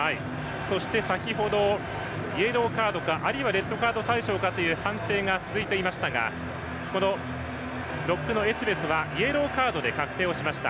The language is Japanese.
そして、先程イエローカードかあるいはレッドカード対象かという判定が続いていましたがロックのエツベスはイエローカードで確定しました。